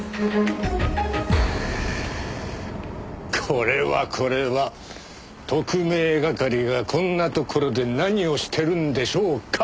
これはこれは特命係がこんなところで何をしてるんでしょうか？